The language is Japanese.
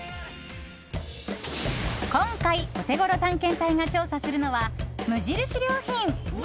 今回オテゴロ探検隊が調査するのは、無印良品！